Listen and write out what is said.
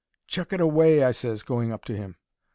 "Chuck it away," I ses, going up to him.